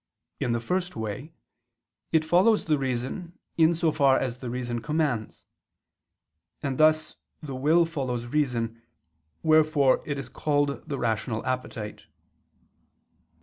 In the first way, it follows the reason in so far as the reason commands: and thus the will follows reason, wherefore it is called the rational appetite.